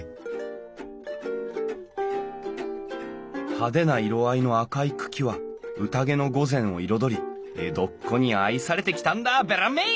派手な色合いの赤い茎は宴の御膳を彩り江戸っ子に愛されてきたんだべらんめい！